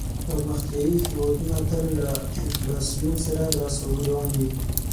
پرمختیایې هېوادونه تل له انفلاسیون سره لاس او ګریوان وي.